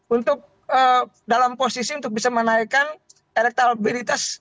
untuk dalam posisi untuk bisa menaikkan elektabilitas